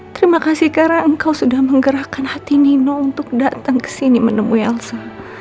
terima kasih karena engkau sudah menggerakkan hati nino untuk datang ke sini menemui elsa